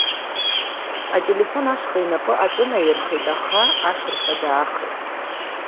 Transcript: Ателефон ашҟа инапы аҿынаирхеит, аха ашырҳәа даахеит.